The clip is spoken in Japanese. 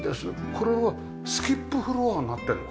これはスキップフロアになってるのか。